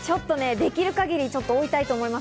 できる限り追いたいと思います。